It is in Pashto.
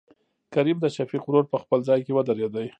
کريم دشفيق ورور په خپل ځاى کې ودرېد.